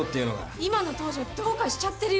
今の東城どうかしちゃってるよ。